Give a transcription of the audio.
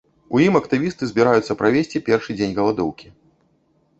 У ім актывісты збіраюцца правесці першы дзень галадоўкі.